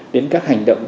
đến các hành động